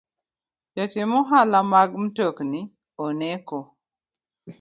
Jotim ohala mag mtokni onego